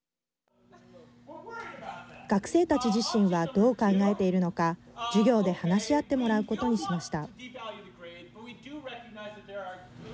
学生たち自身がどう考えているのか授業で話し合ってもらうことにしました。